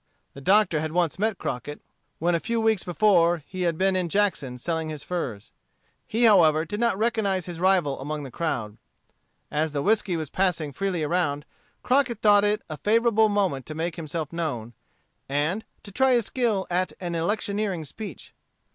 The Doctor had once met Crockett when a few weeks before he had been in Jackson selling his furs. He however did not recognize his rival among the crowd. As the whiskey was passing freely around, Crockett thought it a favorable moment to make himself known, and to try his skill at an electioneering speech.